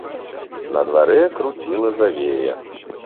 На дварэ круціла завея.